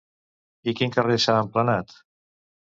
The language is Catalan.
I quin carrer s'ha emplenat?